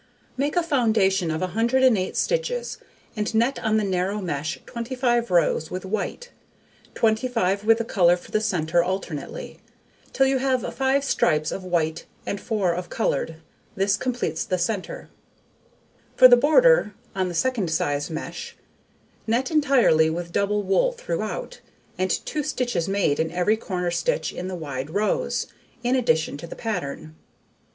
Make a foundation of 108 stitches, and net on the narrow mesh 25 rows with white, 25 with the colour for the centre alternately, till you have 5 stripes of white and 4 of coloured; this completes the centre. For the border, on the second sized mesh: Net entirely with double wool throughout, and 2 stitches made in every corner stitch in the wide rows, in addition to the pattern.